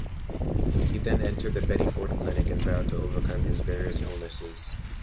He then entered the Betty Ford Clinic and vowed to overcome his various illnesses.